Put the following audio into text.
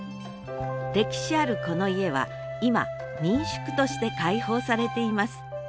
歴史あるこの家は今民宿として開放されています。